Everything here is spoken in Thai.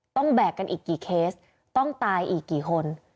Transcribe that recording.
แบกกันอีกกี่เคสต้องตายอีกกี่คน